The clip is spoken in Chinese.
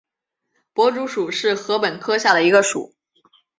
薄竹属是禾本科下的一个属。